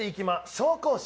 紹興酒。